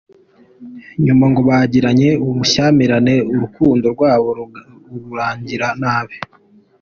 Nyuma ngo bagiranye ubushyamirane urukundo rwabo rurangira nabi.